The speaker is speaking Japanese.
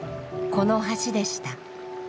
この橋でした。